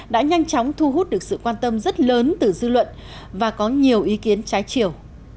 đã nhanh chóng thu hút được sự quan tâm rất lớn từ dư luận và có nhiều ý kiến trái chiều